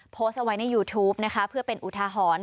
โพสต์เอาไว้ในยูทูปนะคะเพื่อเป็นอุทาหรณ์